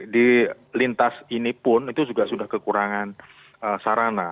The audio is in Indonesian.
di lintas ini pun itu juga sudah kekurangan sarana